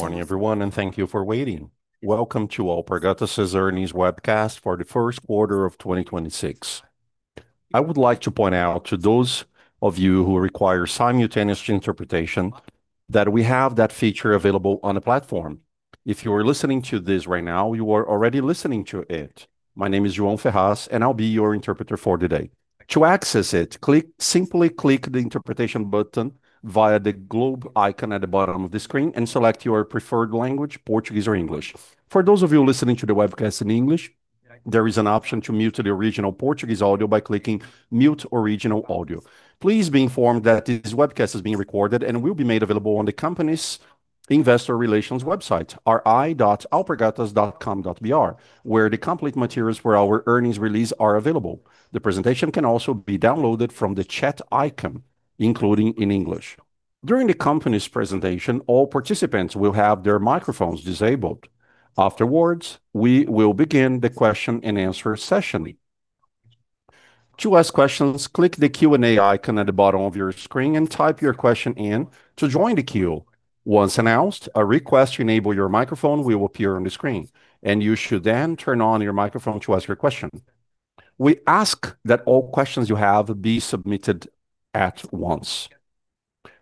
Morning, everyone, and thank you for waiting. Welcome to Alpargatas' earnings webcast for the first quarter of 2026. I would like to point out to those of you who require simultaneous interpretation that we have that feature available on the platform. If you are listening to this right now, you are already listening to it. My name is [João Ferraz], and I'll be your interpreter for today. To access it, simply click the interpretation button via the globe icon at the bottom of the screen and select your preferred language, Portuguese or English. For those of you listening to the webcast in English, there is an option to mute the original Portuguese audio by clicking Mute Original Audio. Please be informed that this webcast is being recorded and will be made available on the company's Investor Relations website, ri.alpargatas.com.br, where the complete materials for our earnings release are available. The presentation can also be downloaded from the chat icon, including in English. During the company's presentation, all participants will have their microphones disabled. Afterwards, we will begin the question-and-answer session. To ask questions, click the Q&A icon at the bottom of your screen and type your question in to join the queue. Once announced, a request to enable your microphone will appear on the screen, and you should then turn on your microphone to ask your question. We ask that all questions you have be submitted at once.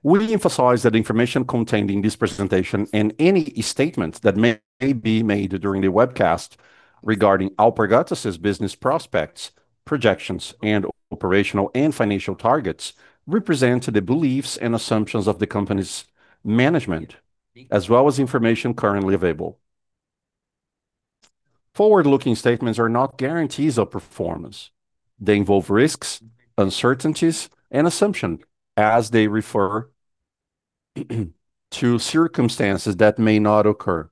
We emphasize that information contained in this presentation and any statements that may be made during the webcast regarding Alpargatas' business prospects, projections, and operational and financial targets represent the beliefs and assumptions of the company's management, as well as information currently available. Forward-looking statements are not guarantees of performance. They involve risks, uncertainties, and assumptions as they refer to circumstances that may not occur.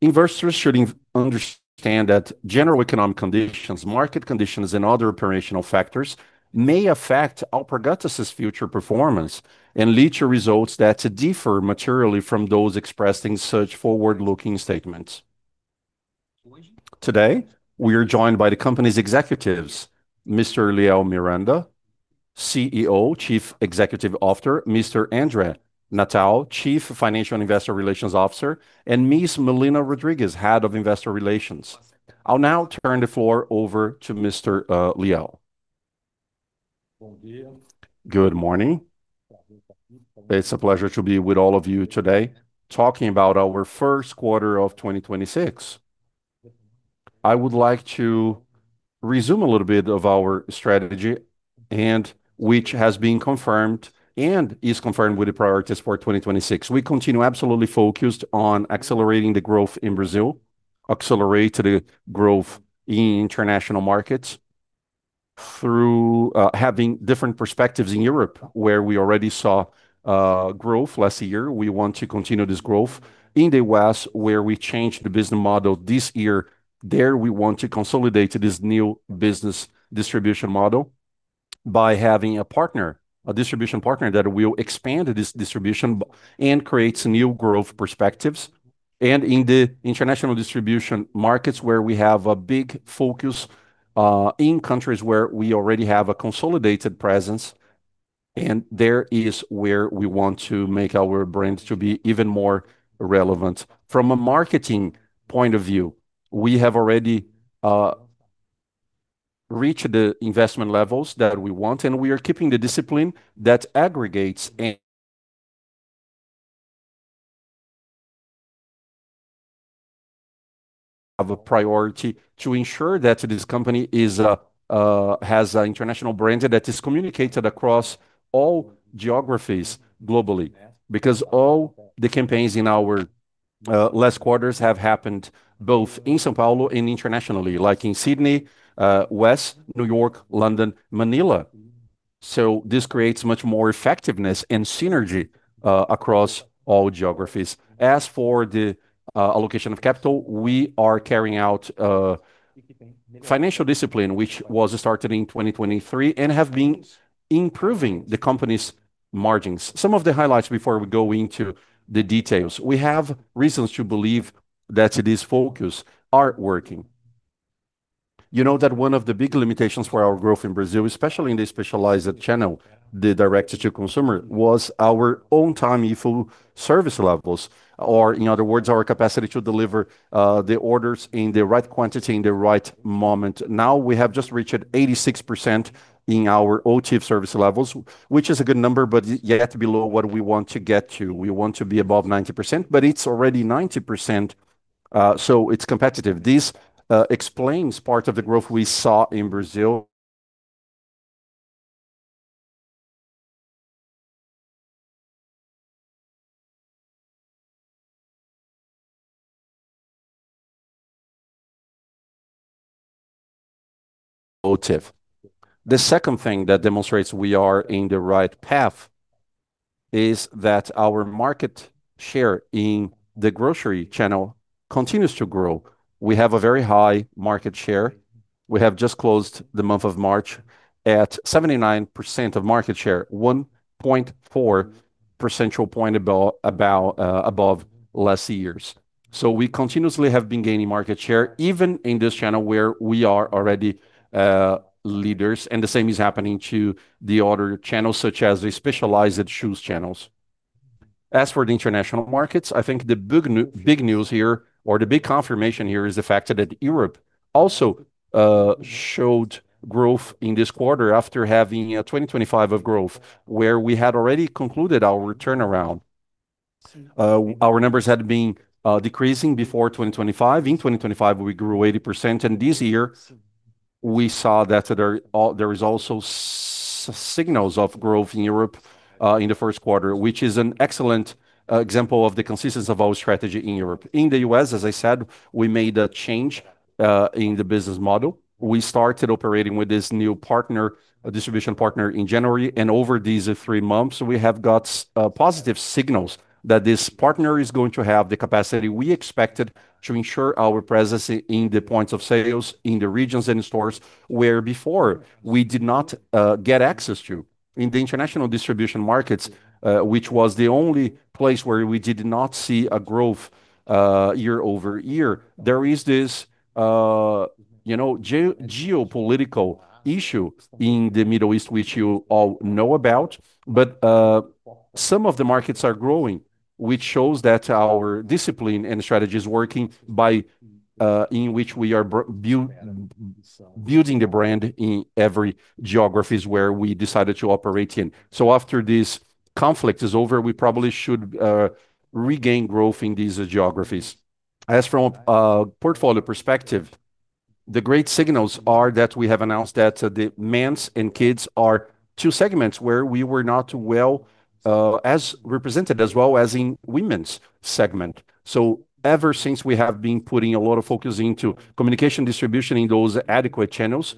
Investors should understand that general economic conditions, market conditions, and other operational factors may affect Alpargatas' future performance and lead to results that differ materially from those expressing such forward-looking statements. Today, we are joined by the company's executives, Mr. Liel Miranda, CEO, Chief Executive Officer, Mr. André Natal, Chief Financial and Investor Relations Officer, and Ms. Melina Rodrigues, Head of Investor Relations. I'll now turn the floor over to Mr. Liel. Good morning. It's a pleasure to be with all of you today talking about our first quarter of 2026. I would like to resume a little bit of our strategy and which has been confirmed and is confirmed with the priorities for 2026. We continue absolutely focused on accelerating the growth in Brazil, accelerate the growth in international markets through having different perspectives in Europe, where we already saw growth last year. We want to continue this growth. In the West, where we changed the business model this year, there we want to consolidate this new business distribution model by having a partner, a distribution partner that will expand this distribution and creates new growth perspectives. In the international distribution markets where we have a big focus in countries where we already have a consolidated presence, and there is where we want to make our brand to be even more relevant. From a marketing point of view, we have already reached the investment levels that we want, and we are keeping the discipline that aggregates and of a priority to ensure that this company is, has a international brand that is communicated across all geographies globally. All the campaigns in our last quarters have happened both in São Paulo and internationally, like in Sydney, West, New York, London, Manila. This creates much more effectiveness and synergy across all geographies. As for the allocation of capital, we are carrying out financial discipline, which was started in 2023, and have been improving the company's margins. Some of the highlights before we go into the details. We have reasons to believe that this focus are working. You know that one of the big limitations for our growth in Brazil, especially in the specialized channel, the direct-to-consumer, was our On-Time In-Full service levels, or in other words, our capacity to deliver the orders in the right quantity in the right moment. We have just reached 86% in our OTIF service levels, which is a good number, but yet below what we want to get to. We want to be above 90%, but it's already 90%, so it's competitive. This explains part of the growth we saw in Brazil OTIF. The second thing that demonstrates we are in the right path is that our market share in the grocery channel continues to grow. We have a very high market share. We have just closed the month of March at 79% of market share, 1.4 percentual point above last year's. We continuously have been gaining market share even in this channel where we are already leaders, and the same is happening to the other channels such as the specialized shoes channels. As for the international markets, I think the big news here or the big confirmation here is the fact that Europe also showed growth in this quarter after having a 2025 of growth where we had already concluded our turnaround. Our numbers had been decreasing before 2025. In 2025 we grew 80%, and this year we saw that there is also signals of growth in Europe in the first quarter, which is an excellent example of the consistency of our strategy in Europe. In the U.S., as I said, we made a change in the business model. We started operating with this new partner, a distribution partner in January, and over these three months we have got positive signals that this partner is going to have the capacity we expected to ensure our presence in the points of sale in the regions and stores where before we did not get access to. In the international distribution markets, which was the only place where we did not see a growth year-over-year, there is this, you know, geopolitical issue in the Middle East which you all know about. Some of the markets are growing, which shows that our discipline and strategy is working by in which we are building the brand in every geographies where we decided to operate in. After this conflict is over, we probably should regain growth in these geographies. From a portfolio perspective, the great signals are that we have announced that the Men's and Kids are two segments where we were not well as represented as well as in Women's segment. Ever since we have been putting a lot of focus into communication distribution in those adequate channels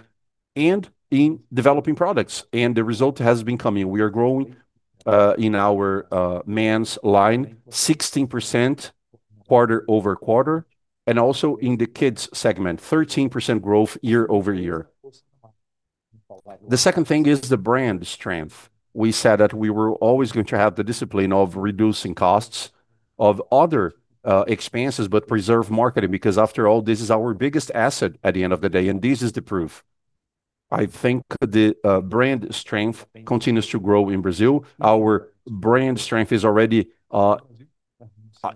and in developing products, and the result has been coming. We are growing in our Men's line 16% quarter-over-quarter, and also in the Kids' segment, 13% growth year-over-year. The second thing is the brand strength. We said that we were always going to have the discipline of reducing costs of other expenses but preserve marketing because after all, this is our biggest asset at the end of the day, and this is the proof. I think the brand strength continues to grow in Brazil. Our brand strength is already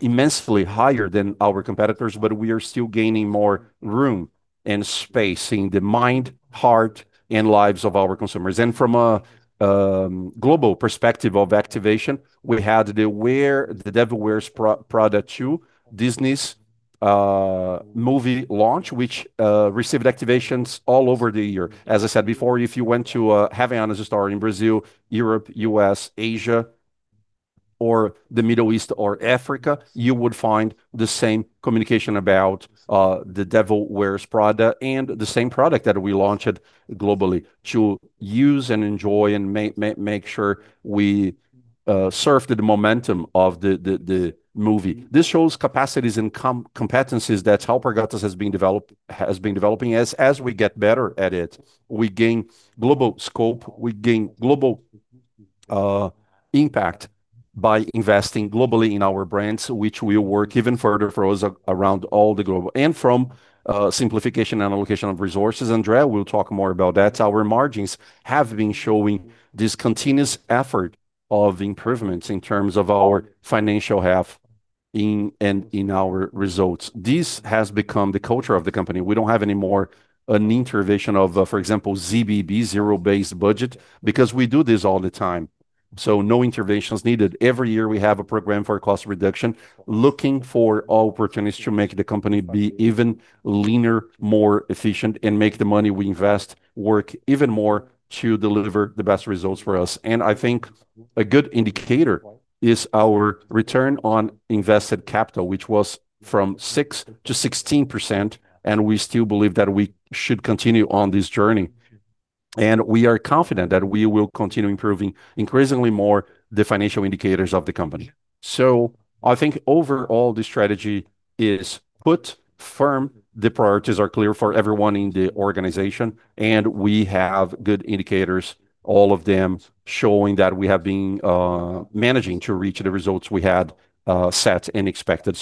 immensely higher than our competitors. We are still gaining more room and space in the mind, heart and lives of our consumers. From a global perspective of activation, we had The Devil Wears Prada 2, Disney's movie launch which received activations all over the year. As I said before, if you went to a Havaianas store in Brazil, Europe, U.S., Asia or the Middle East or Africa, you would find the same communication about The Devil Wears Prada and the same product that we launched globally to use and enjoy and make sure we surfed the momentum of the movie. This shows capacities and competencies that Alpargatas has been developing. As we get better at it, we gain global scope, we gain global impact by investing globally in our brands which will work even further for us around all the global. From simplification and allocation of resources, André will talk more about that. Our margins have been showing this continuous effort of improvements in terms of our financial health, and in our results. This has become the culture of the company. We don't have any more an intervention of, for example, ZBB, Zero-Based Budget, because we do this all the time. No interventions needed. Every year we have a program for cost reduction looking for opportunities to make the company be even leaner, more efficient, and make the money we invest work even more to deliver the best results for us. I think a good indicator is our return on invested capital, which was from 6%-16%, we still believe that we should continue on this journey. We are confident that we will continue improving increasingly more the financial indicators of the company. I think overall the strategy is put firm, the priorities are clear for everyone in the organization, we have good indicators, all of them showing that we have been managing to reach the results we had set and expected.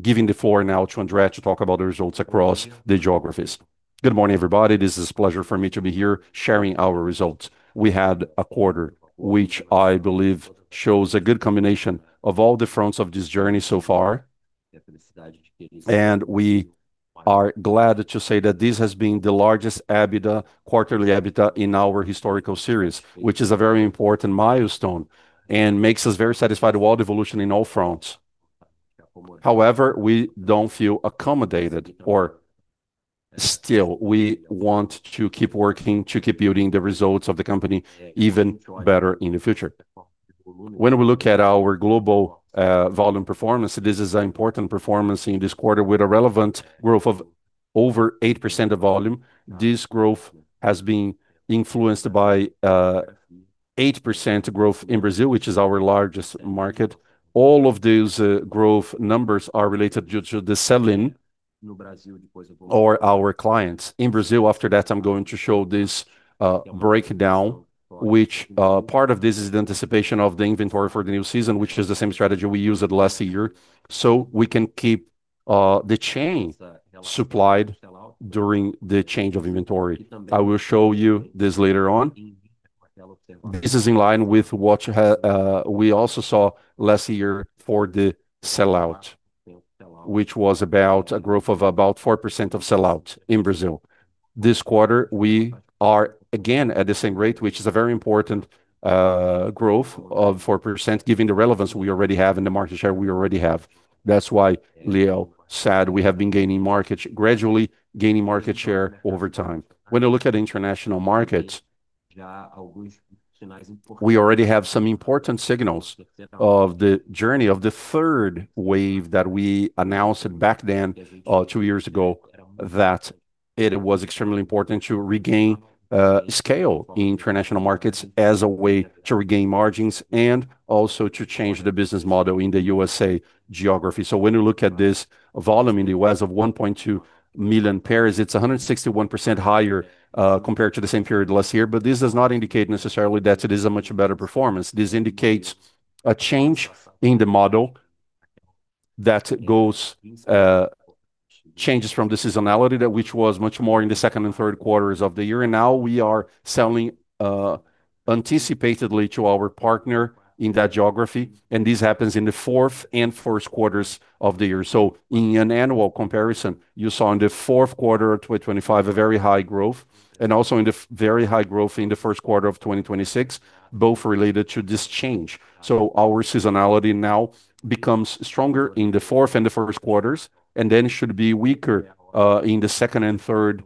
Giving the floor now to André to talk about the results across the geographies. Good morning, everybody. This is a pleasure for me to be here sharing our results. We had a quarter which I believe shows a good combination of all the fronts of this journey so far, and we are glad to say that this has been the largest EBITDA, quarterly EBITDA in our historical series, which is a very important milestone and makes us very satisfied with all the evolution in all fronts. We don't feel accommodated or still we want to keep working to keep building the results of the company even better in the future. When we look at our global volume performance, this is an important performance in this quarter with a relevant growth of over 8% of volume. This growth has been influenced by 8% growth in Brazil, which is our largest market. All of these growth numbers are related due to the sell-in our clients. In Brazil, after that I'm going to show this breakdown which part of this is the anticipation of the inventory for the new season, which is the same strategy we used last year so we can keep the chain supplied during the change of inventory. I will show you this later on. This is in line with what we also saw last year for the sell-out, which was about a growth of about 4% of sell-out in Brazil. This quarter we are again at the same rate, which is a very important growth of 4%, given the relevance we already have and the market share we already have. That's why Liel said we have been gradually gaining market share over time. You look at international markets, we already have some important signals of the journey of the third wave that we announced back then, two years ago, that it was extremely important to regain scale in international markets as a way to regain margins and also to change the business model in the USA geography. When you look at this volume in the U.S. of 1.2 million pairs, it's 161% higher compared to the same period last year. This does not indicate necessarily that it is a much better performance. This indicates a change in the model that goes, changes from the seasonality that, which was much more in the second and third quarters of the year. Now we are selling, anticipatedly to our partner in that geography, and this happens in the fourth and first quarters of the year. In an annual comparison, you saw in the fourth quarter 2025 a very high growth, and also in the very high growth in the first quarter of 2026, both related to this change. Our seasonality now becomes stronger in the fourth and the first quarters, and then should be weaker in the second and third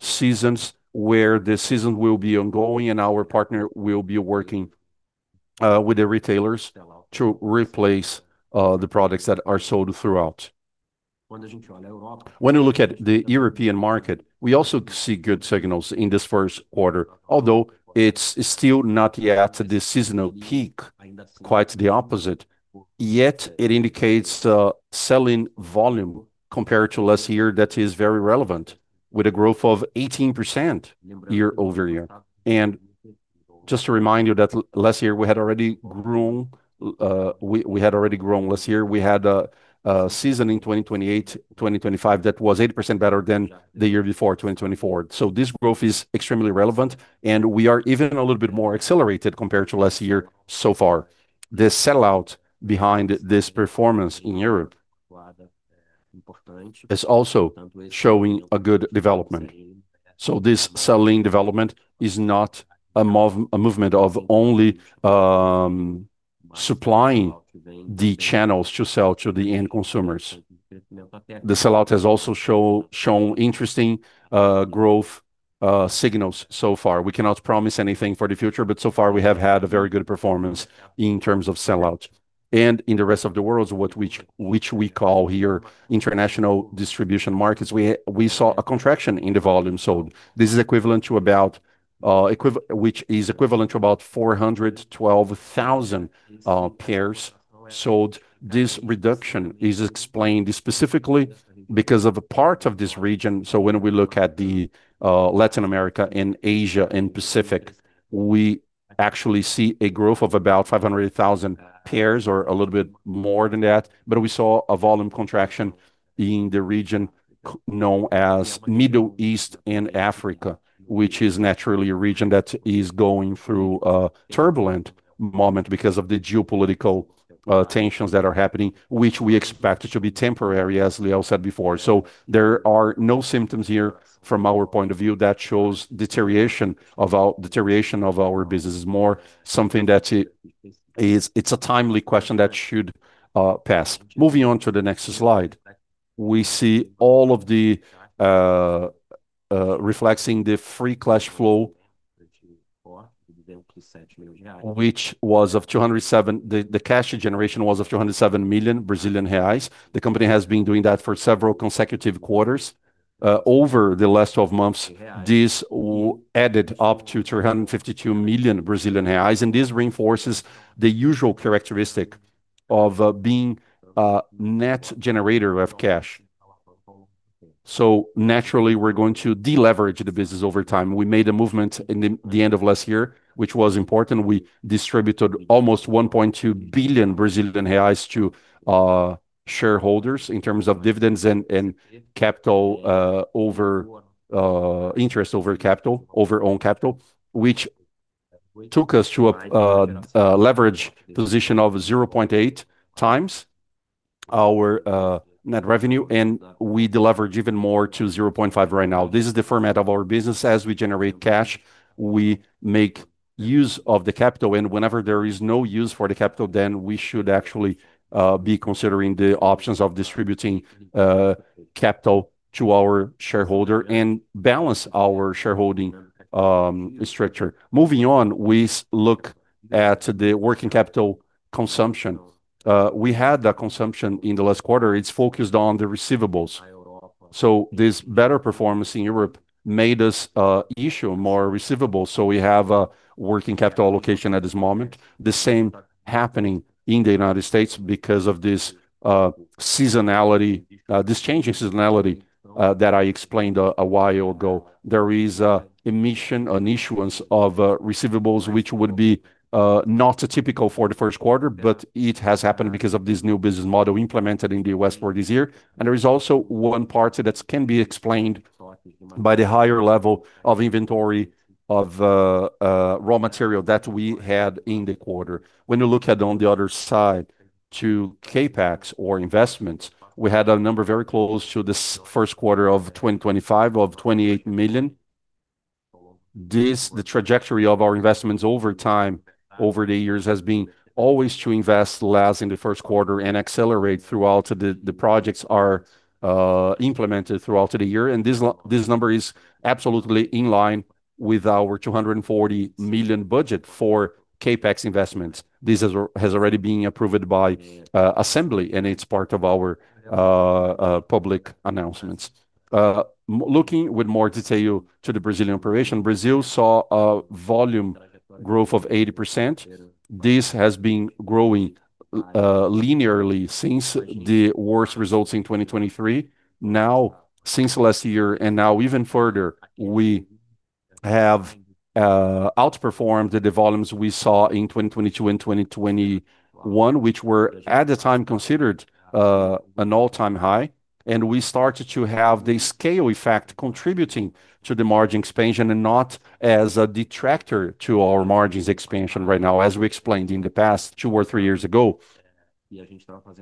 seasons where the season will be ongoing and our partner will be working with the retailers to replace the products that are sold throughout. You look at the European market, we also see good signals in this first quarter, although it's still not yet the seasonal peak. Quite the opposite. It indicates a selling volume compared to last year that is very relevant with a growth of 18% year-over-year. Just to remind you that last year we had already grown, we had already grown last year. We had a season in 2028, 2025 that was 80% better than the year before, 2024. This growth is extremely relevant, and we are even a little bit more accelerated compared to last year so far. The sell-out behind this performance in Europe is also showing a good development. This selling development is not a movement of only supplying the channels to sell to the end consumers. The sell-out has also shown interesting growth signals so far. We cannot promise anything for the future, but so far we have had a very good performance in terms of sell-out. In the rest of the world, what, which we call here international distribution markets, we saw a contraction in the volume sold. This is equivalent to about, which is equivalent to about 412,000 pairs sold. This reduction is explained specifically because of a part of this region. When we look at the Latin America and Asia and Pacific, we actually see a growth of about 500,000 pairs or a little bit more than that. We saw a volume contraction in the region known as Middle East and Africa, which is naturally a region that is going through a turbulent moment because of the geopolitical tensions that are happening, which we expect it to be temporary, as Liel said before. There are no symptoms here from our point of view that shows deterioration of our business. It's more something that is a timely question that should pass. Moving on to the next slide. The cash generation was of BRL 207 million. The company has been doing that for several consecutive quarters. Over the last 12 months, this added up to 352 million Brazilian reais, and this reinforces the usual characteristic of being a net generator of cash. Naturally, we're going to deleverage the business over time. We made a movement in the end of last year, which was important. We distributed almost 1.2 billion Brazilian reais to shareholders in terms of dividends and capital over interest over capital, over own capital, which took us to a leverage position of 0.8x our net revenue, and we deleveraged even more to 0.5x right now. This is the format of our business. As we generate cash, we make use of the capital. Whenever there is no use for the capital, we should actually be considering the options of distributing capital to our shareholder and balance our shareholding structure. Moving on, we look at the working capital consumption. We had a consumption in the last quarter. It's focused on the receivables. This better performance in Europe made us issue more receivables. We have a working capital allocation at this moment. The same happening in the United States because of this seasonality, this change in seasonality that I explained a while ago. There is an issuance of receivables which would be not typical for the first quarter, but it has happened because of this new business model implemented in the U.S. for this year. There is also one part that can be explained by the higher level of inventory of raw material that we had in the quarter. When you look at on the other side to CapEx or investments, we had a number very close to this first quarter of 2025, of 28 million. This, the trajectory of our investments over time, over the years, has been always to invest less in the first quarter and accelerate throughout the projects are implemented throughout the year. This number is absolutely in line with our 240 million budget for CapEx investments. This has already been approved by assembly, and it is part of our public announcements. Looking with more detail to the Brazilian operation, Brazil saw a volume growth of 80%. This has been growing linearly since the worst results in 2023. Now, since last year and now even further, we have outperformed the volumes we saw in 2022 and 2021, which were, at the time, considered an all-time high. We started to have the scale effect contributing to the margin expansion and not as a detractor to our margins expansion right now. As we explained in the past two or three years ago,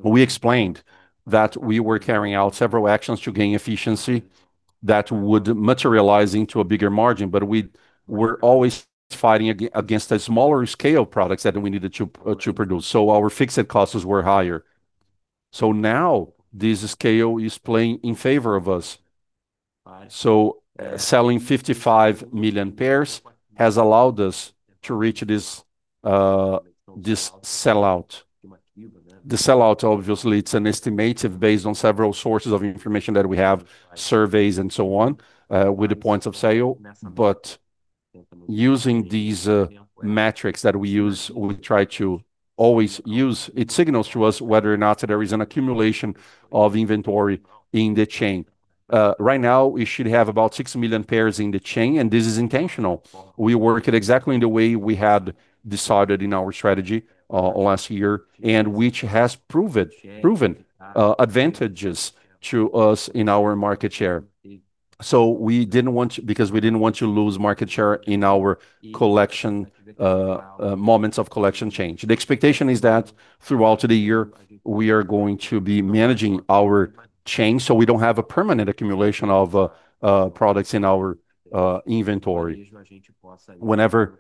we explained that we were carrying out several actions to gain efficiency that would materialize into a bigger margin. We were always fighting against the smaller scale products that we needed to produce. Our fixed costs were higher. Now this scale is playing in favor of us. Selling 55 million pairs has allowed us to reach this sellout. The sellout, obviously, it's an estimative based on several sources of information that we have, surveys and so on, with the points of sale. Using these metrics that we use, we try to always use. It signals to us whether or not there is an accumulation of inventory in the chain. Right now we should have about 6 million pairs in the chain, and this is intentional. We work it exactly in the way we had decided in our strategy last year, which has proven advantages to us in our market share. We didn't want to lose market share in our collection moments of collection change. The expectation is that throughout the year we are going to be managing our change so we don't have a permanent accumulation of products in our inventory. Whenever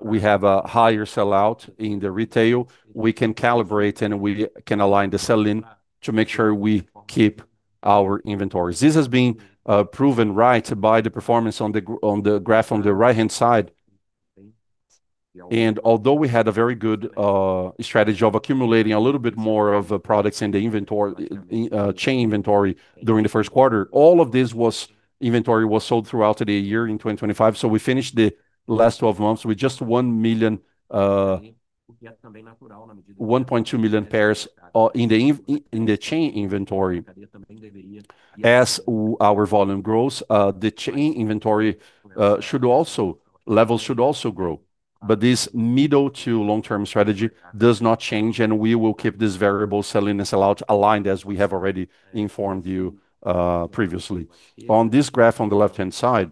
we have a higher sellout in the retail, we can calibrate and we can align the selling to make sure we keep our inventories. This has been proven right by the performance on the graph on the right-hand side. Although we had a very good strategy of accumulating a little bit more of the products in the inventory, chain inventory during the first quarter, all of this was inventory was sold throughout the year in 2025. We finished the last 12 months with just 1 million, 1.2 million pairs in the chain inventory. As our volume grows, the chain inventory should also, levels should also grow. This middle to long-term strategy does not change, and we will keep this variable selling and sellout aligned as we have already informed you previously. On this graph on the left-hand side,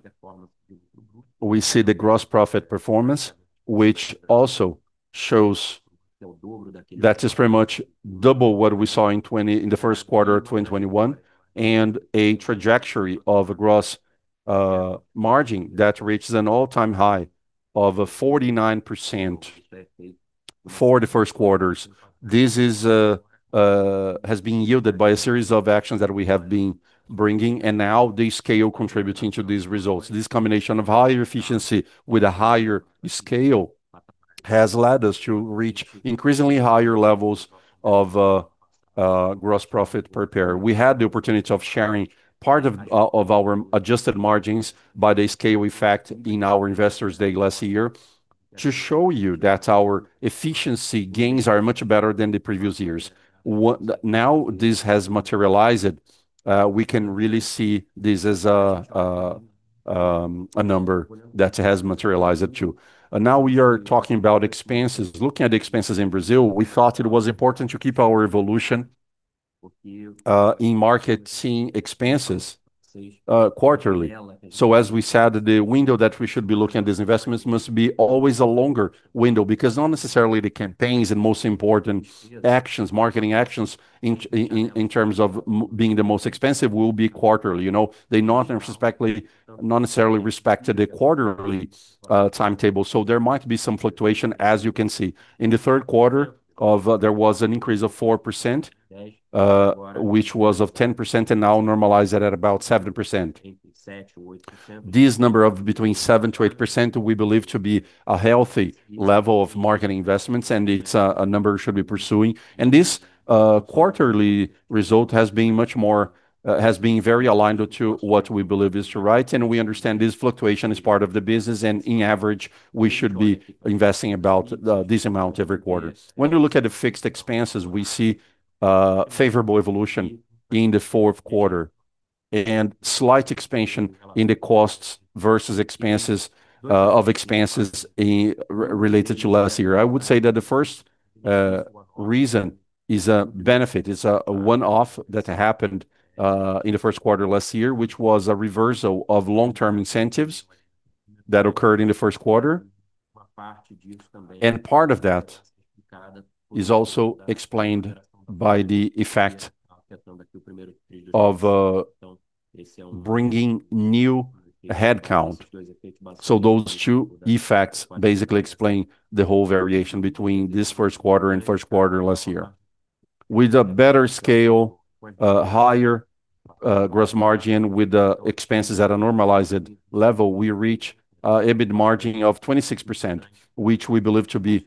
we see the gross profit performance, which also shows that is very much double what we saw in 2020, in the first quarter of 2021, and a trajectory of a gross margin that reaches an all-time high of 49% for the first quarters. This is has been yielded by a series of actions that we have been bringing, and now the scale contributing to these results. This combination of higher efficiency with a higher scale has led us to reach increasingly higher levels of gross profit per pair. We had the opportunity of sharing part of our adjusted margins by the scale effect in our Investors Day last year to show you that our efficiency gains are much better than the previous years. What now this has materialized. We can really see this as a number that has materialized too. Now we are talking about expenses. Looking at expenses in Brazil, we thought it was important to keep our evolution in marketing expenses quarterly. As we said, the window that we should be looking at these investments must be always a longer window, because not necessarily the campaigns and most important actions, marketing actions in terms of being the most expensive will be quarterly. You know? They not necessarily respect to the quarterly timetable. There might be some fluctuation as you can see. In the third quarter, there was an increase of 4%, which was of 10% and now normalized at about 7%. This number of between 7%-8% we believe to be a healthy level of marketing investments, it's a number we should be pursuing. This quarterly result has been very aligned to what we believe is right. We understand this fluctuation is part of the business, on average, we should be investing about this amount every quarter. When we look at the fixed expenses, we see a favorable evolution in the fourth quarter. Slight expansion in the costs versus expenses related to last year. I would say that the first reason is a benefit. It's a one-off that happened in the first quarter last year, which was a reversal of long-term incentives that occurred in the first quarter. Part of that is also explained by the effect of bringing new headcount. Those two effects basically explain the whole variation between this first quarter and first quarter last year. With a better scale, higher gross margin with the expenses at a normalized level, we reach EBIT margin of 26%, which we believe to be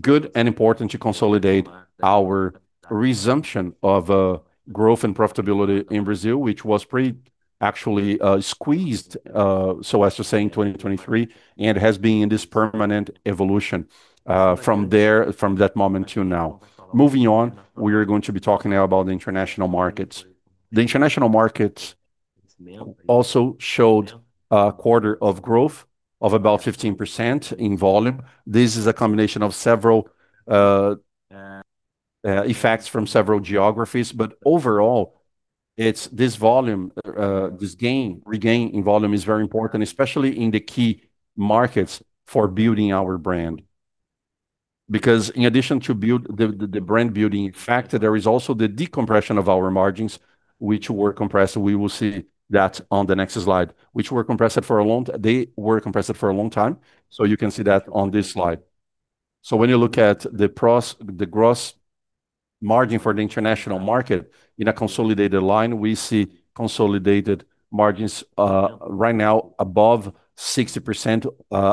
good and important to consolidate our resumption of growth and profitability in Brazil, which was pretty actually squeezed so as to say in 2023, and has been in this permanent evolution from there, from that moment till now. Moving on, we are going to be talking now about the international markets. The international markets also showed a quarter of growth of about 15% in volume. This is a combination of several effects from several geographies, but overall, it's this regain in volume is very important, especially in the key markets for building our brand. In addition to build the brand building factor, there is also the decompression of our margins which were compressed. We will see that on the next slide, which were compressed for a long time, you can see that on this slide. When you look at the gross margin for the international market in a consolidated line, we see consolidated margins right now above 60%,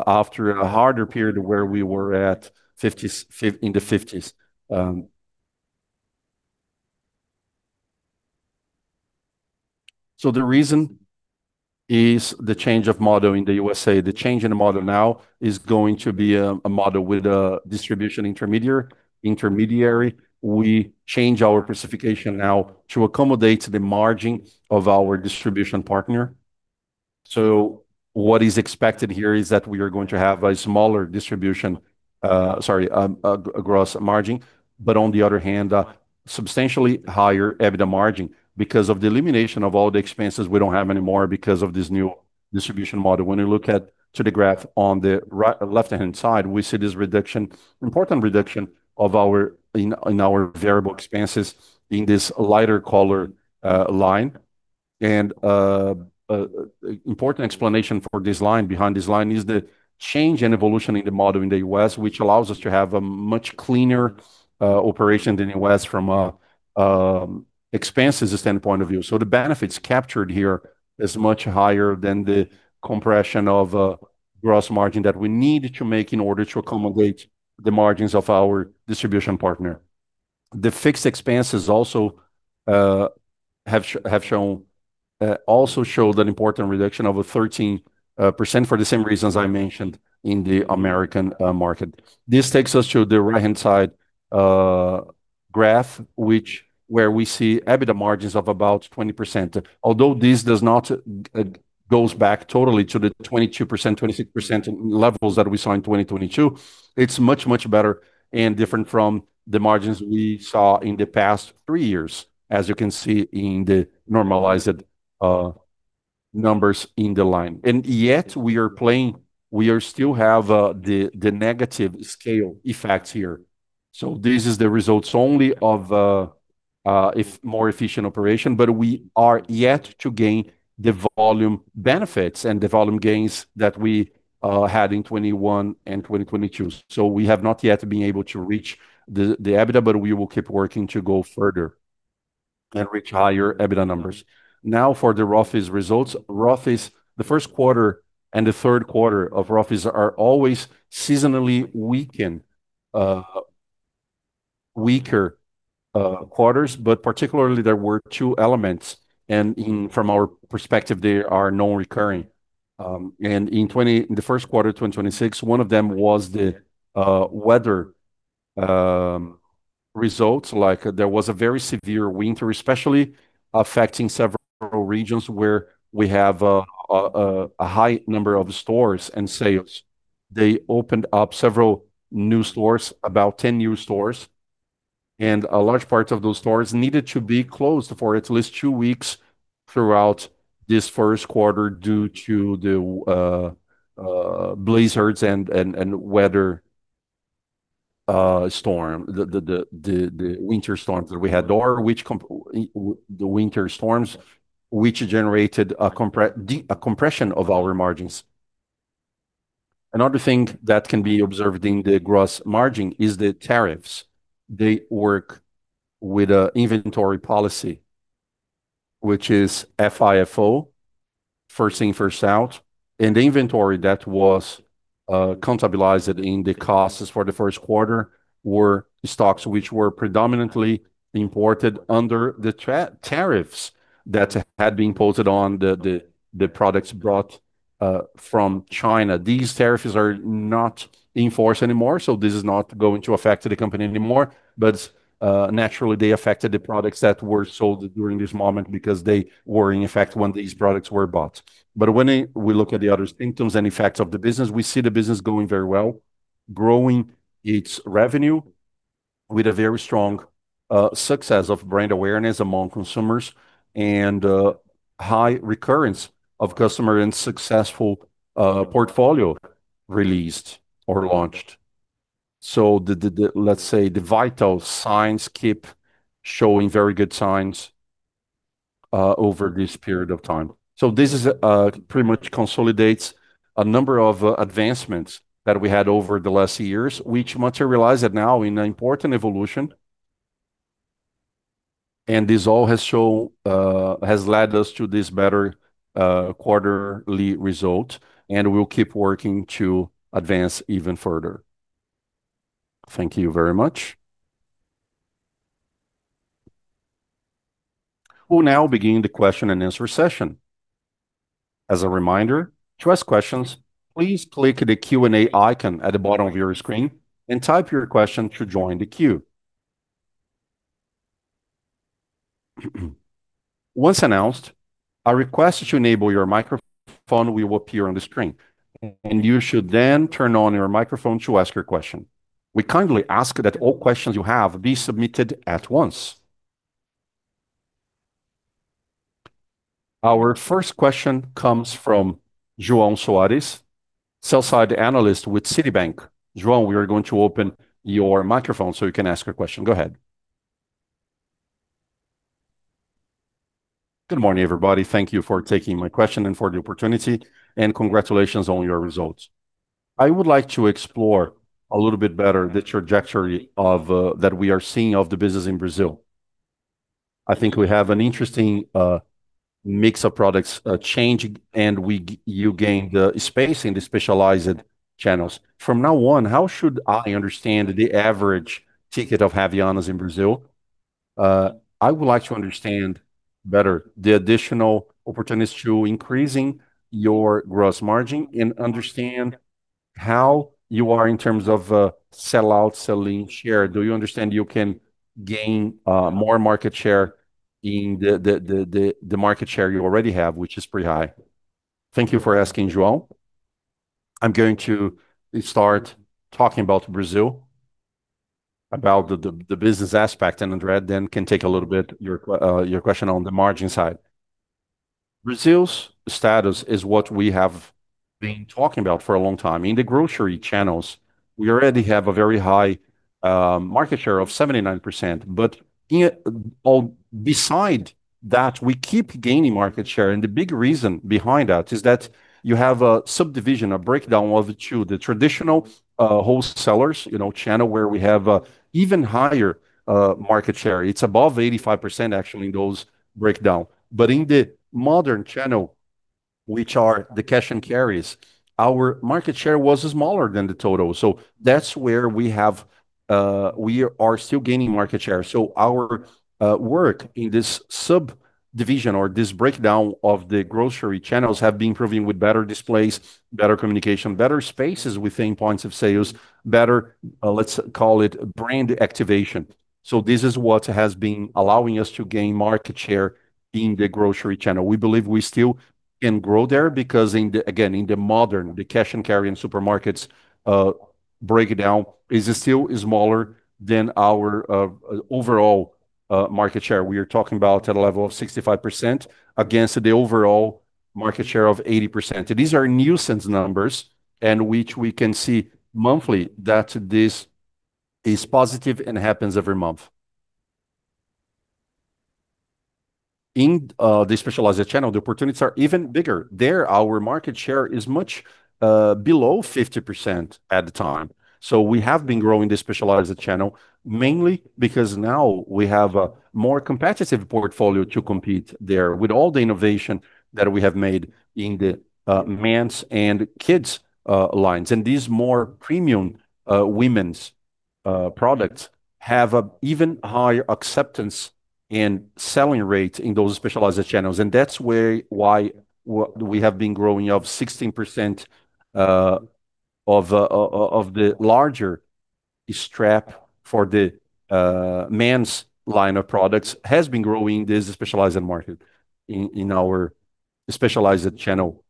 after a harder period where we were in the 50%s. The reason is the change of model in the USA. The change in the model now is going to be a model with a distribution intermediary. We change our classification now to accommodate the margin of our distribution partner. What is expected here is that we are going to have a smaller distribution, sorry, a gross margin, but on the other hand, a substantially higher EBITDA margin because of the elimination of all the expenses we don't have anymore because of this new distribution model. When we look at to the graph on the left-hand side, we see this important reduction in our variable expenses in this lighter color line. Important explanation for this line, behind this line is the change in evolution in the model in the U.S., which allows us to have a much cleaner operation than U.S. from a expenses standpoint of view. The benefits captured here is much higher than the compression of a gross margin that we need to make in order to accommodate the margins of our distribution partner. The fixed expenses also showed an important reduction of 13% for the same reasons I mentioned in the American market. This takes us to the right-hand side graph, where we see EBITDA margins of about 20%. Although this does not goes back totally to the 22%-26% levels that we saw in 2022, it's much, much better and different from the margins we saw in the past three years, as you can see in the normalized numbers in the line. Yet we are playing, we are still have the negative scale effects here. This is the results only of a more efficient operation, but we are yet to gain the volume benefits and the volume gains that we had in 2021 and 2022. We have not yet been able to reach the EBITDA, but we will keep working to go further and reach higher EBITDA numbers. Now, for the Rothy's results. Rothy's, the first quarter and the third quarter of Rothy's are always seasonally weakened, weaker quarters, but particularly there were two elements from our perspective, they are non-recurring. In 2020, the first quarter 2026, one of them was the weather results. There was a very severe winter, especially affecting several regions where we have a high number of stores and sales. They opened up several new stores, about 10 new stores, and a large part of those stores needed to be closed for at least two weeks throughout this first quarter due to the blizzards and weather storm. The winter storms that we had, which generated a compression of our margins. Another thing that can be observed in the gross margin is the tariffs. They work with an inventory policy, which is FIFO, first in, first out, and the inventory that was contabilized in the costs for the first quarter were stocks which were predominantly imported under the tariffs that had been posted on the products brought from China. These tariffs are not in force anymore, this is not going to affect the company anymore. Naturally they affected the products that were sold during this moment because they were in effect when these products were bought. When we look at the other symptoms and effects of the business, we see the business going very well, growing its revenue with a very strong success of brand awareness among consumers and high recurrence of customer and successful portfolio released or launched. The let's say the vital signs keep showing very good signs over this period of time. This is pretty much consolidates a number of advancements that we had over the last years, which materialized now in an important evolution. This all has led us to this better quarterly result. We'll keep working to advance even further. Thank you very much. We'll now begin the question-and-answer session. As a reminder, to ask questions, please click the Q&A icon at the bottom of your screen and type your question to join the queue. Once announced, a request to enable your microphone will appear on the screen, and you should then turn on your microphone to ask your question. We kindly ask that all questions you have be submitted at once. Our first question comes from João Soares, Sell-Side Analyst with Citibank. João, we are going to open your microphone so you can ask your question. Go ahead. Good morning, everybody. Thank you for taking my question and for the opportunity, and congratulations on your results. I would like to explore a little bit better the trajectory of that we are seeing of the business in Brazil. I think we have an interesting mix of products changing, and you gained space in the specialized channels. From now on, how should I understand the average ticket of Havaianas in Brazil? I would like to understand better the additional opportunities to increasing your gross margin and understand how you are in terms of sell-out, selling share. Do you understand you can gain more market share in the market share you already have, which is pretty high? Thank you for asking, João. I'm going to start talking about Brazil, about the business aspect, and André then can take a little bit your question on the margin side. Brazil's status is what we have been talking about for a long time. In the grocery channels we already have a very high market share of 79%, but beside that, we keep gaining market share. The big reason behind that is that you have a subdivision, a breakdown of the two. The traditional wholesalers', you know, channel where we have a even higher market share. It's above 85%, actually, in those breakdowns. In the modern channel, which are the cash and carries, our market share was smaller than the total. That's where we are still gaining market share. Our work in this subdivision or this breakdown of the grocery channels have been improving with better displays, better communication, better spaces within points of sales, better, let's call it brand activation. This is what has been allowing us to gain market share in the grocery channel. We believe we still can grow there because in the again, in the modern, the cash & carry and supermarkets, breakdown is still smaller than our overall market share. We are talking about at a level of 65% against the overall market share of 80%. These are Nielsen's numbers, which we can see monthly that this is positive and happens every month. In the specialized channel, the opportunities are even bigger. There our market share is much below 50% at the time. We have been growing the specialized channel mainly because now we have a more competitive portfolio to compete there with all the innovation that we have made in the Men's and Kids' lines. These more premium Women's products have an even higher acceptance and selling rate in those specialized channels. That's why we have been growing of 16% of the larger strap for the Men's line of products has been growing this specialized market in our specialized channel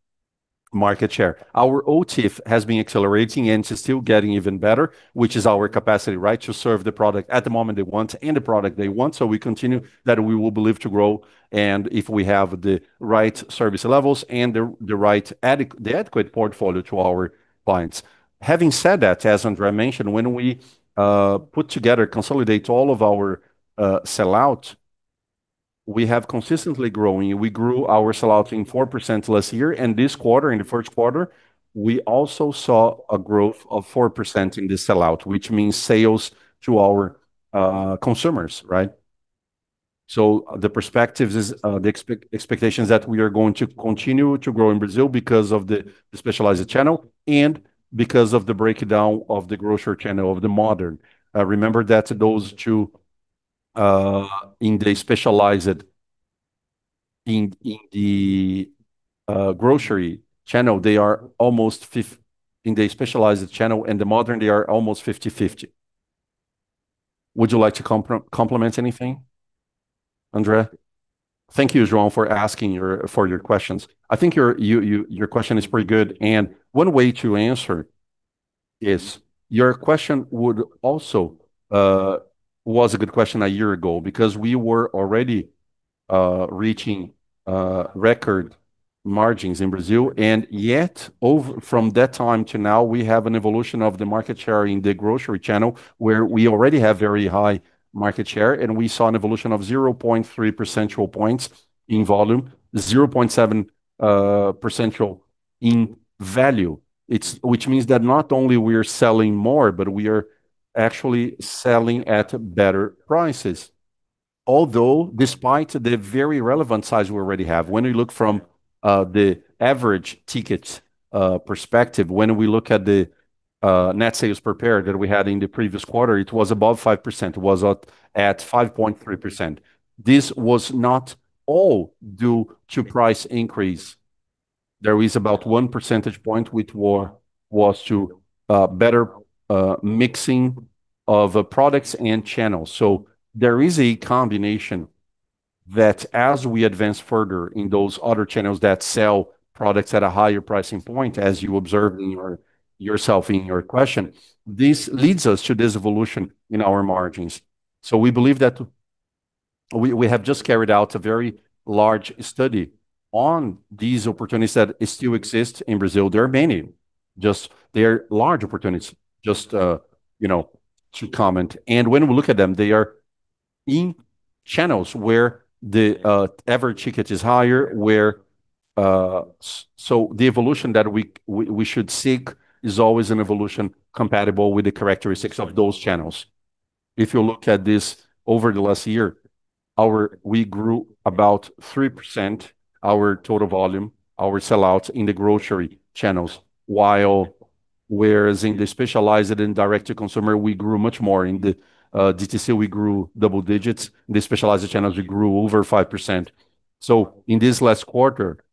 market share. Our OTIF has been accelerating and it's still getting even better, which is our capacity, right? To serve the product at the moment they want and the product they want. We continue that we will believe to grow, if we have the right service levels and the right adequate portfolio to our clients. Having said that, as Andre mentioned, when we put together, consolidate all of our sell-out, we have consistently growing. We grew our sell-out in 4% last year. This quarter, in the first quarter, we also saw a growth of 4% in the sell-out, which means sales to our consumers, right? The perspectives is the expectations that we are going to continue to grow in Brazil because of the specialized channel and because of the breakdown of the grocery channel of the modern. Remember that in the specialized channel and the modern, they are almost 50/50. Would you like to compliment anything, André? Thank you, João, for asking your questions. I think your question is pretty good, and one way to answer is your question would also was a good question a year ago because we were already reaching record margins in Brazil, and yet from that time to now, we have an evolution of the market share in the grocery channel where we already have very high market share, and we saw an evolution of 0.3 percentual points in volume, 0.7 percentual in value. Which means that not only we are selling more, but we are actually selling at better prices. Although despite the very relevant size we already have, when we look from the average ticket perspective, when we look at the net sales prepared that we had in the previous quarter, it was above 5%, it was at 5.3%. This was not all due to price increase. There is about 1 percentage point which was to better mixing of products and channels. There is a combination that as we advance further in those other channels that sell products at a higher pricing point, as you observed yourself in your question, this leads us to this evolution in our margins. We believe that we have just carried out a very large study on these opportunities that still exist in Brazil. There are many, just they are large opportunities, just, you know, to comment. When we look at them, they are in channels where the average ticket is higher, where. The evolution that we should seek is always an evolution compatible with the characteristics of those channels. If you look at this over the last year, we grew about 3% our total volume, our sell-outs in the grocery channels, while whereas in the specialized and direct to consumer, we grew much more. In the DTC, we grew double digits. In the specialized channels, we grew over 5%. In this last quarter,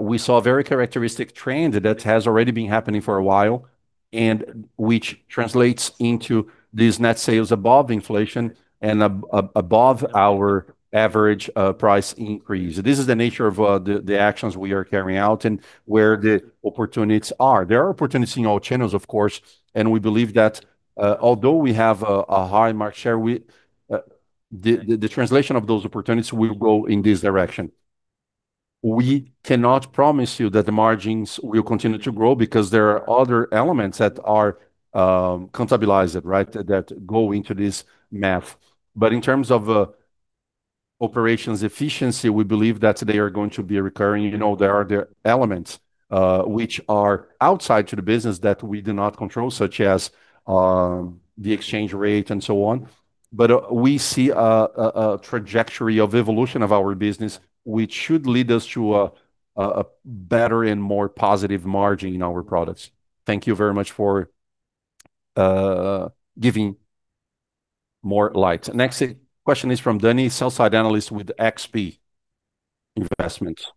we saw a very characteristic trend that has already been happening for a while and which translates into these net sales above inflation and above our average price increase. This is the nature of the actions we are carrying out and where the opportunities are. There are opportunities in all channels, of course. We believe that, although we have a high market share, we, the translation of those opportunities will go in this direction. We cannot promise you that the margins will continue to grow because there are other elements that are contabilized, right? That go into this math. In terms of operations efficiency, we believe that they are going to be recurring. You know, there are the elements which are outside to the business that we do not control, such as the exchange rate and so on. We see a trajectory of evolution of our business, which should lead us to a better and more positive margin in our products. Thank you very much for giving more light. Next question is from Dani, Sell-Side analyst with XP Investments.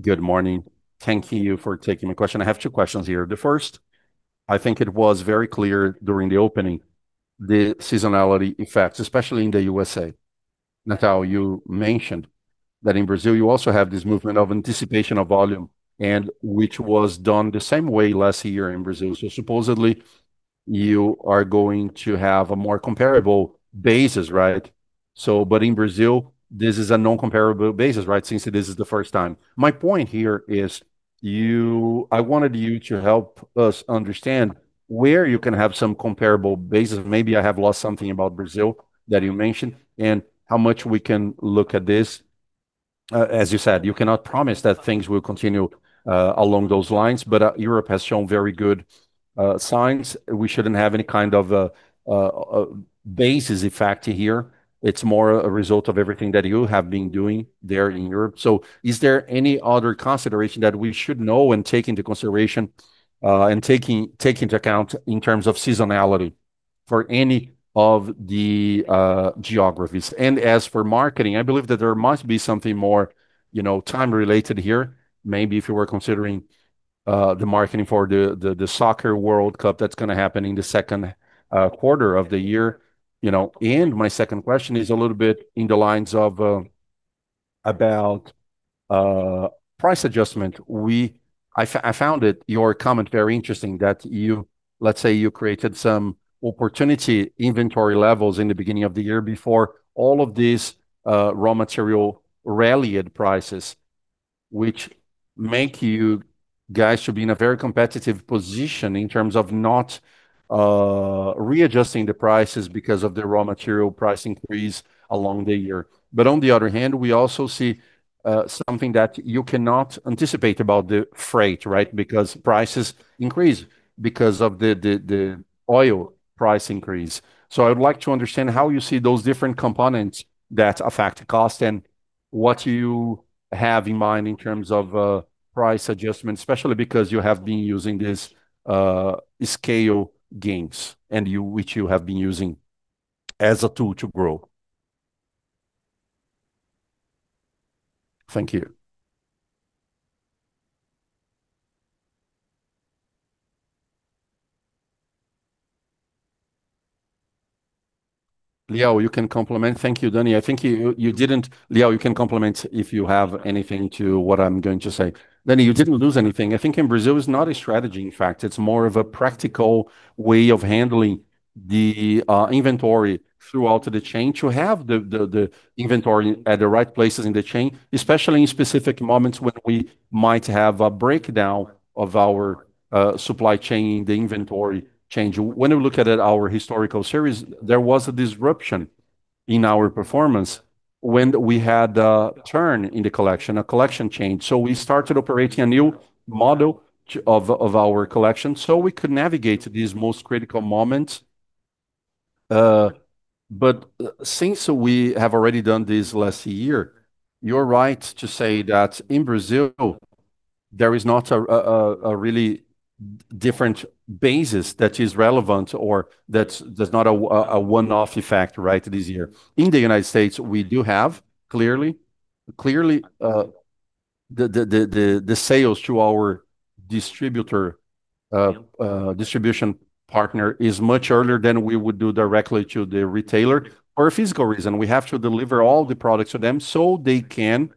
Good morning. Thank you for taking my question. I have two questions here. The first, I think it was very clear during the opening, the seasonality effects, especially in the USA. Natal, you mentioned that in Brazil you also have this movement of anticipation of volume and which was done the same way last year in Brazil. Supposedly you are going to have a more comparable basis, right? In Brazil, this is a non-comparable basis, right? Since this is the first time. My point here is I wanted you to help us understand where you can have some comparable basis. Maybe I have lost something about Brazil that you mentioned and how much we can look at this. As you said, you cannot promise that things will continue along those lines. Europe has shown very good signs. We shouldn't have any kind of a basis effect here. It's more a result of everything that you have been doing there in Europe. Is there any other consideration that we should know and take into consideration and take into account in terms of seasonality for any of the geographies? As for marketing, I believe that there must be something more, you know, time related here. Maybe if you were considering the marketing for the Soccer World Cup that's gonna happen in the second quarter of the year, you know. My second question is a little bit in the lines of about price adjustment. We found it, your comment, very interesting that you, let's say you created some opportunity inventory levels in the beginning of the year before all of these raw material rallied prices, which make you guys to be in a very competitive position in terms of not readjusting the prices because of the raw material price increase along the year. On the other hand, we also see something that you cannot anticipate about the freight, right? Prices increase because of the oil price increase. I would like to understand how you see those different components that affect cost and what you have in mind in terms of price adjustments, especially because you have been using this scale gains which you have been using as a tool to grow. Thank you. Liel, you can complement. Thank you, Dani. I think you didn't Liel, you can complement if you have anything to what I'm going to say. Dani, you didn't lose anything. I think in Brazil it's not a strategy, in fact, it's more of a practical way of handling the inventory throughout the chain to have the inventory at the right places in the chain, especially in specific moments when we might have a breakdown of our supply chain, the inventory change. When we look at it, our historical series, there was a disruption in our performance when we had a turn in the collection, a collection change. We started operating a new model of our collection so we could navigate these most critical moments. Since we have already done this last year, you are right to say that in Brazil there is not a really different basis that is relevant or that's not a one-off effect, right, this year. In the United States, we do have clearly. Clearly, the sales to our distributor, distribution partner is much earlier than we would do directly to the retailer for a physical reason. We have to deliver all the products to them so they can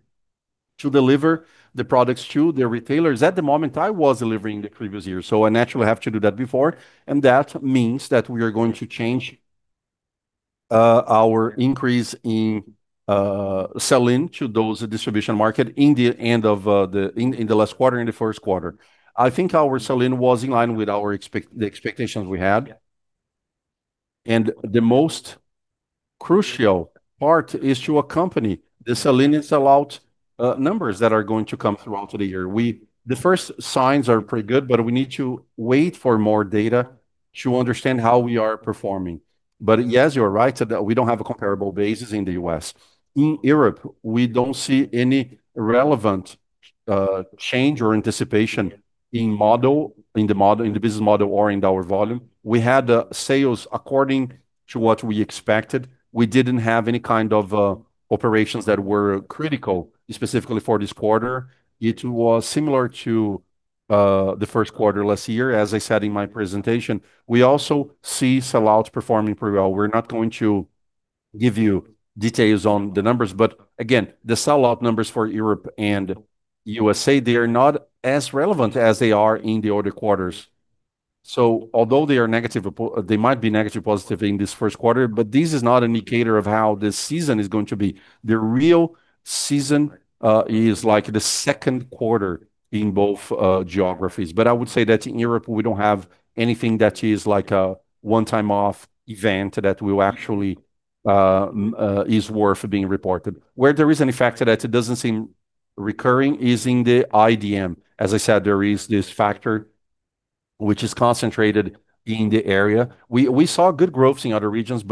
to deliver the products to their retailers. At the moment, I was delivering the previous year, so I naturally have to do that before, and that means that we are going to change, our increase in sell-in to those distribution market in the end of the, in the last quarter, in the first quarter. I think our sell-in was in line with our the expectations we had. The most crucial part is to accompany the sell-in and sell-out numbers that are going to come throughout the year. The first signs are pretty good, but we need to wait for more data to understand how we are performing. Yes, you are right that we don't have a comparable basis in the U.S. In Europe, we don't see any relevant change or anticipation in model, in the model, in the business model or in dollar volume. We had sales according to what we expected. We didn't have any kind of operations that were critical specifically for this quarter. It was similar to the first quarter last year, as I said in my presentation. We also see sell-outs performing pretty well. We're not going to give you details on the numbers. Again, the sell-out numbers for Europe and USA, they are not as relevant as they are in the other quarters. Although they are negative, they might be negative, positive in this first quarter. This is not an indicator of how this season is going to be. The real season is like the second quarter in both geographies. I would say that in Europe we don't have anything that is like a one-time off event that will actually is worth being reported. Where there is any factor that it doesn't seem recurring is in the IDM. As I said, there is this factor which is concentrated in the area. We saw good growths in other regions,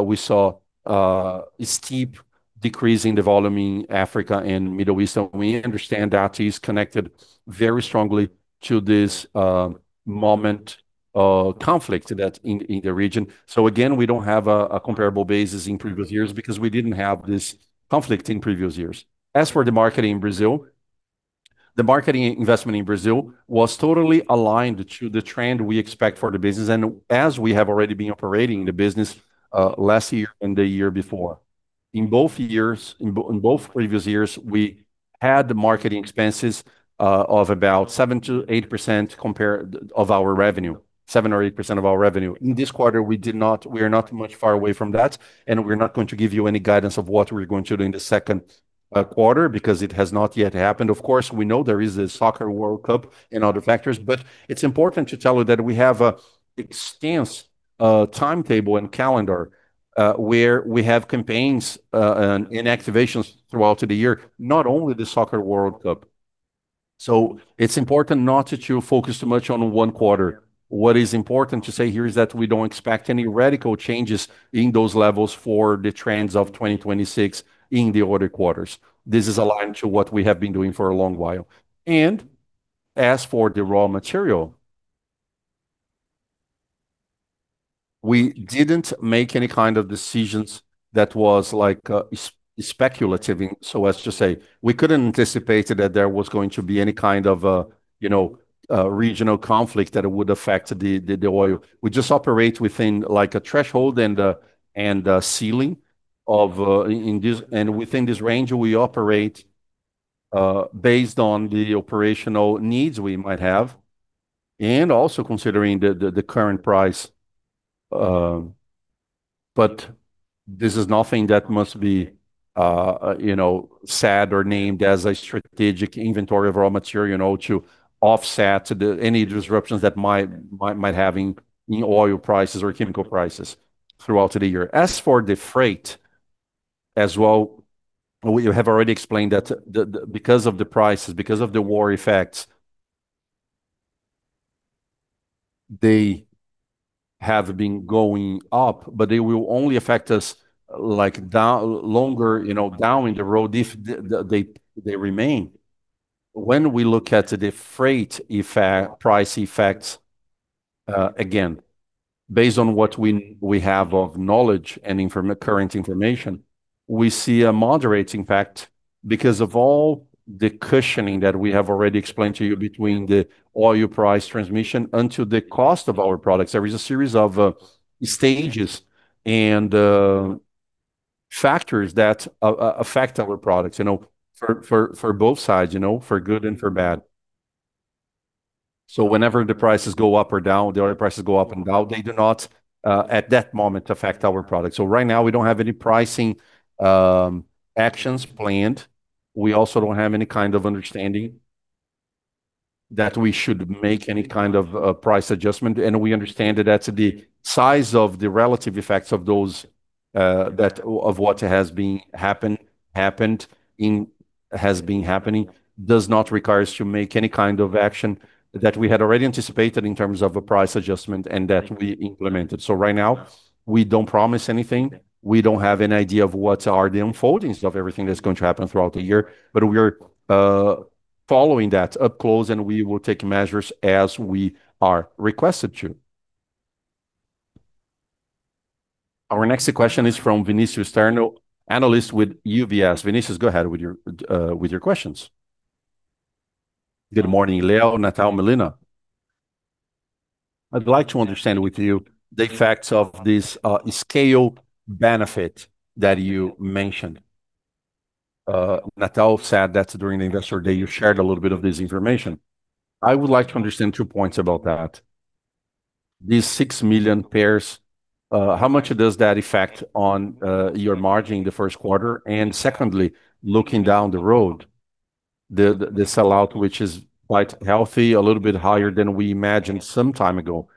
we saw a steep decrease in the volume in Africa and Middle East. We understand that is connected very strongly to this moment of conflict that's in the region. Again, we don't have a comparable basis in previous years because we didn't have this conflict in previous years. As for the marketing in Brazil, the marketing investment in Brazil was totally aligned to the trend we expect for the business. As we have already been operating the business last year and the year before. In both years, in both previous years, we had marketing expenses of about 7%-8% of our revenue. 7% or 8% of our revenue. In this quarter, we did not, we are not much far away from that, and we're not going to give you any guidance of what we're going to do in the second quarter because it has not yet happened. Of course, we know there is a Soccer World Cup and other factors, but it's important to tell you that we have an [extensive] timetable and calendar, where we have campaigns and activations throughout the year, not only the Soccer World Cup. It's important not to focus too much on one quarter. What is important to say here is that we don't expect any radical changes in those levels for the trends of 2026 in the other quarters. This is aligned to what we have been doing for a long while. As for the raw material, we didn't make any kind of decisions that was like speculative in, let's just say. We couldn't anticipate that there was going to be any kind of, you know, regional conflict that would affect the oil. We just operate within like a threshold and a ceiling of, and within this range, we operate based on the operational needs we might have, and also considering the current price. This is nothing that must be, you know, said or named as a strategic inventory of raw material, you know, to offset any disruptions that might have in oil prices or chemical prices throughout the year. As for the freight as well, we have already explained that the, because of the prices, because of the war effects. They have been going up, but they will only affect us, like, longer, you know, down in the road if they remain. When we look at the freight effect, price effects, again, based on what we have of knowledge and current information, we see a moderating fact because of all the cushioning that we have already explained to you between the oil price transmission onto the cost of our products. There is a series of stages and factors that affect our products, you know, for both sides, you know, for good and for bad. Whenever the prices go up or down, the oil prices go up and down, they do not at that moment affect our products. Right now we don't have any pricing actions planned. We also don't have any kind of understanding that we should make any kind of a price adjustment, and we understand that that's the size of the relative effects of those that of what has been happening does not require us to make any kind of action that we had already anticipated in terms of a price adjustment and that we implemented. Right now we don't promise anything. We don't have an idea of what are the unfoldings of everything that's going to happen throughout the year, but we are following that up close, and we will take measures as we are requested to. Our next question is from Vinícius Strano, analyst with UBS. Vinícius, go ahead with your questions. Good morning Liel, Natal, Melina. I'd like to understand with you the effects of this scale benefit that you mentioned. Natal said that during the investor day you shared a little bit of this information. I would like to understand two points about that. These 6 million pairs, how much does that affect on your margin in the first quarter? Secondly, looking down the road, the sell-out, which is quite healthy, a little bit higher than we imagined some time ago.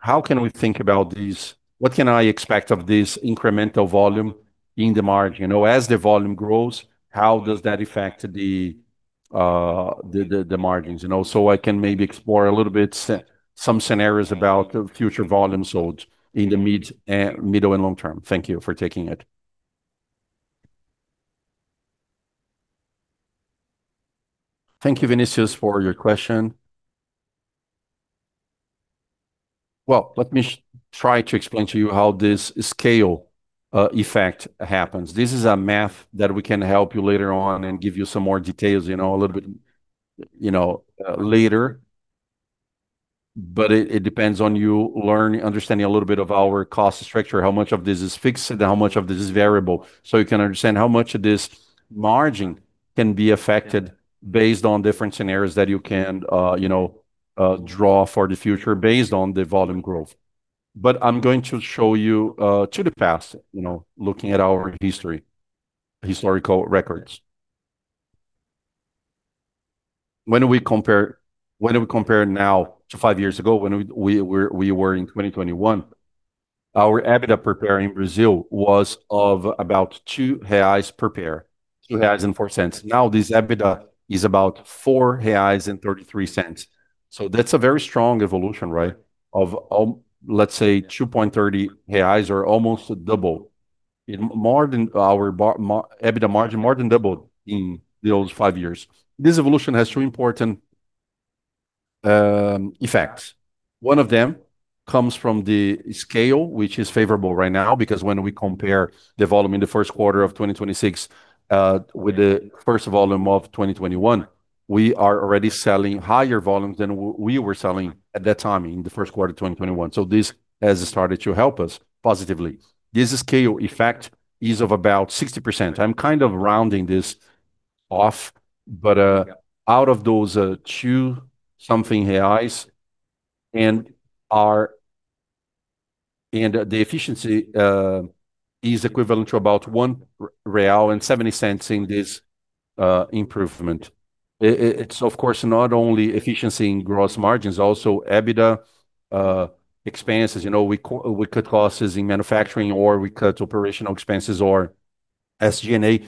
How can we think about these What can I expect of this incremental volume in the margin? You know, as the volume grows, how does that affect the margins? You know, I can maybe explore a little bit some scenarios about the future volume sold in the mid, middle and long term. Thank you for taking it. Thank you, Vinícius, for your question. Well, let me try to explain to you how this scale effect happens. This is a math that we can help you later on and give you some more details, you know, a little bit, you know, later. It, it depends on you understanding a little bit of our cost structure, how much of this is fixed and how much of this is variable, so you can understand how much of this margin can be affected based on different scenarios that you can, you know, draw for the future based on the volume growth. I'm going to show you, to the past, you know, looking at our history, historical records. When we compare now to five years ago, when we were in 2021, our EBITDA per pair in Brazil was of about 2 reais per pair, 2.04 reais. This EBITDA is about 4.33 reais. That's a very strong evolution, right? Of let's say, 2.30 reais or almost double. Our EBITDA margin more than doubled in those five years. This evolution has two important effects. One of them comes from the scale, which is favorable right now, because when we compare the volume in the first quarter of 2026, with the first volume of 2021, we are already selling higher volumes than we were selling at that time in the first quarter of 2021. This has started to help us positively. This scale effect is of about 60%. I'm kind of rounding this off, but out of those 2 reais something and are and the efficiency is equivalent to about 1.70 real in this improvement. It's of course not only efficiency in gross margins, also EBITDA expenses. You know, we cut costs in manufacturing or we cut operational expenses or SG&A.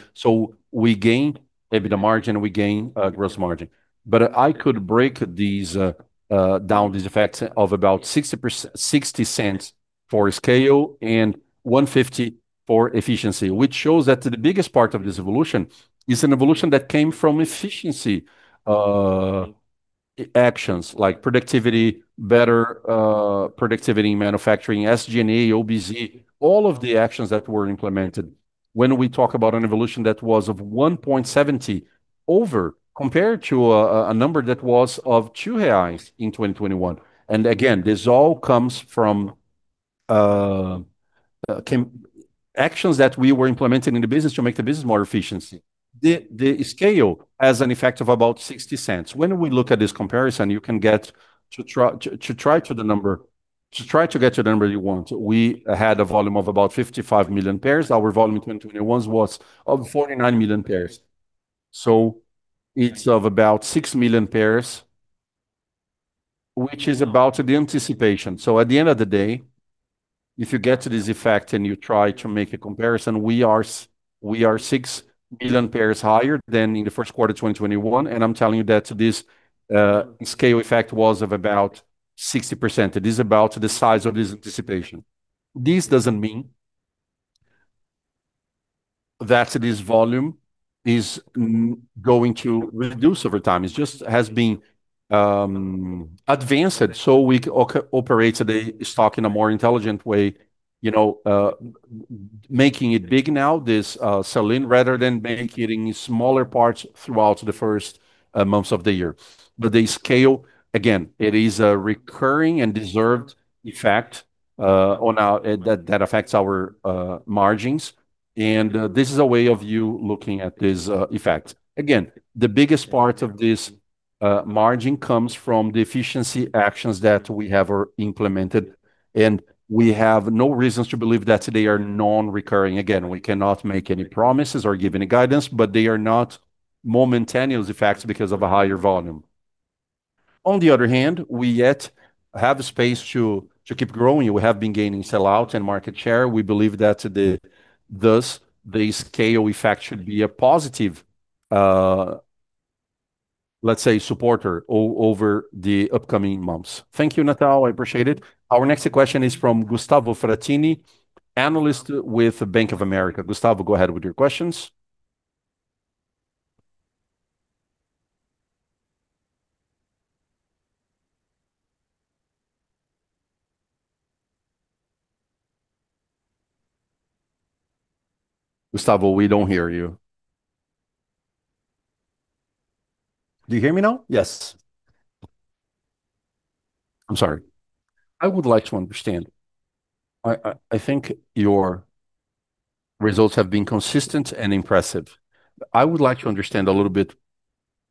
We gain EBITDA margin, we gain gross margin. I could break these down these effects of about 0.60 for scale and 1.50 for efficiency, which shows that the biggest part of this evolution is an evolution that came from efficiency actions like productivity, better productivity in manufacturing, SG&A, OBC, all of the actions that were implemented when we talk about an evolution that was of 1.70 over compared to a number that was of 2.00 reais in 2021. Again, this all comes from came actions that we were implementing in the business to make the business more efficiency. The scale has an effect of about 0.60. When we look at this comparison, you can get to try to get to the number you want. We had a volume of about 55 million pairs. Our volume in 2021 was of 49 million pairs. It's of about 6 million pairs, which is about the anticipation. If you get to this effect and you try to make a comparison, we are 6 million pairs higher than in the first quarter 2021, and I'm telling you that this scale effect was of about 60%. It is about the size of this anticipation. This doesn't mean that this volume is going to reduce over time. It's just has been advanced, we operate the stock in a more intelligent way, you know, making it big now, this selling, rather than making it in smaller parts throughout the first months of the year. The scale, again, it is a recurring and deserved effect that affects our margins, and this is a way of you looking at this effect. Again, the biggest part of this margin comes from the efficiency actions that we have implemented and we have no reasons to believe that they are non-recurring. Again, we cannot make any promises or give any guidance, but they are not momentaneous effects because of a higher volume. On the other hand, we yet have the space to keep growing. We have been gaining sell-out and market share. We believe that thus, the scale effect should be a positive, let's say, supporter over the upcoming months. Thank you, Natal. I appreciate it. Our next question is from Gustavo Fratini, Analyst with Bank of America. Gustavo, go ahead with your questions. Gustavo, we don't hear you. Do you hear me now? Yes. I'm sorry. I would like to understand. I think your results have been consistent and impressive. I would like to understand a little bit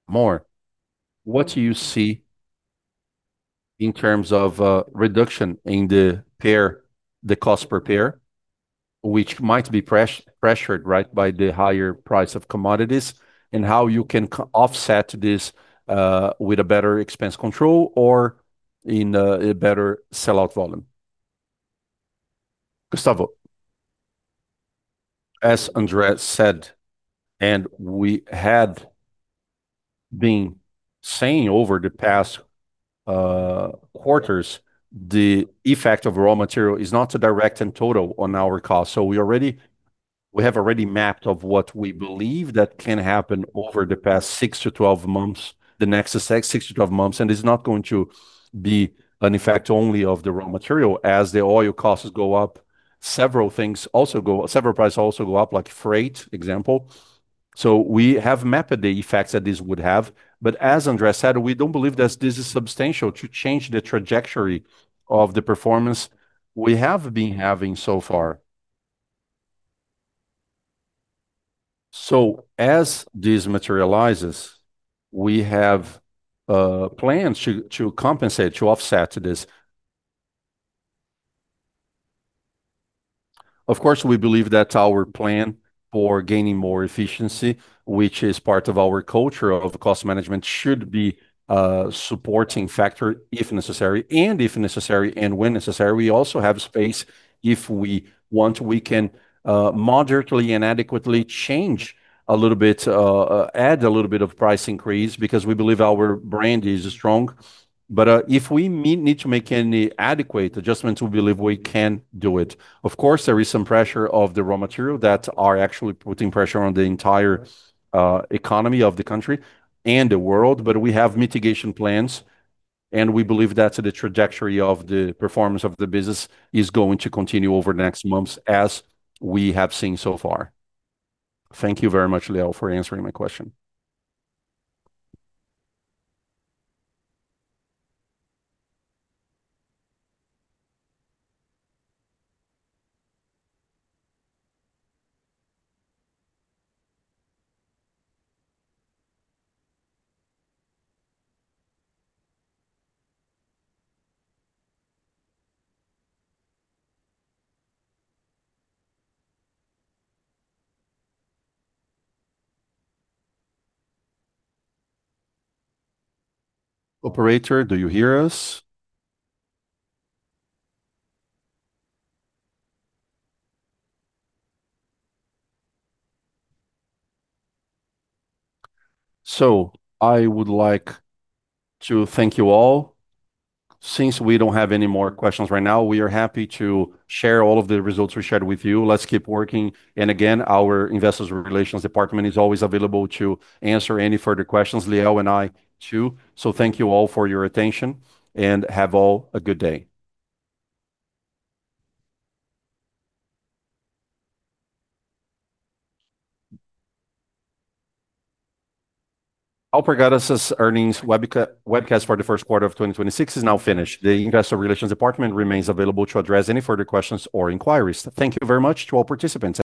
more what you see in terms of reduction in the pair, the cost per pair, which might be pressured, right, by the higher price of commodities, and how you can offset this with a better expense control or in a, in a better sell-out volume. Gustavo, as André said, and we had been saying over the past quarters, the effect of raw material is not direct in total on our cost. We have already mapped of what we believe that can happen over the past 6 months-12 months, the next 6 months-12 months. It's not going to be an effect only of the raw material. As the oil costs go up, several prices also go up, like freight, example. We have mapped the effects that this would have. As André said, we don't believe that this is substantial to change the trajectory of the performance we have been having so far. As this materializes, we have plans to compensate, to offset this. Of course, we believe that our plan for gaining more efficiency, which is part of our culture of cost management, should be a supporting factor if necessary, and when necessary. We also have space. If we want, we can moderately and adequately change a little bit, add a little bit of price increase because we believe our brand is strong. If we need to make any adequate adjustments, we believe we can do it. Of course, there is some pressure of the raw material that are actually putting pressure on the entire economy of the country and the world, but we have mitigation plans and we believe that the trajectory of the performance of the business is going to continue over the next months, as we have seen so far. Thank you very much, Liel, for answering my question. Operator, do you hear us? I would like to thank you all. Since we don't have any more questions right now, we are happy to share all of the results we shared with you. Let's keep working. Again, our Investor Relations department is always available to answer any further questions. Liel and I too. Thank you all for your attention, and have all a good day. Alpargatas' earnings webcast for the first quarter of 2026 is now finished. The Investor Relations department remains available to address any further questions or inquiries. Thank you very much to all participants.